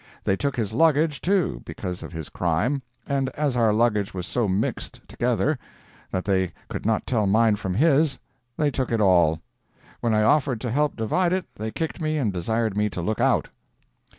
They took his luggage, too, because of his crime, and as our luggage was so mixed together that they could not tell mine from his, they took it all. When I offered to help divide it, they kicked me and desired me to look out.